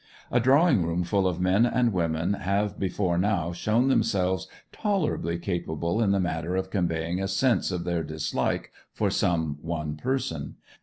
A drawing room full of men and women have before now shown themselves tolerably capable in the matter of conveying a sense of their dislike for some one person.